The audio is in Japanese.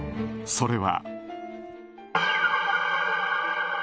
それは。